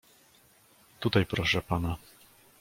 "„Tutaj, proszą pana."